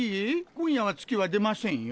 今夜は月は出ませんよ。